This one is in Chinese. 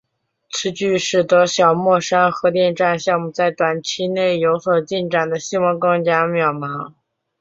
此举使得小墨山核电站项目在短期内有所进展的希望更加渺茫。